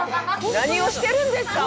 何をしてるんですか！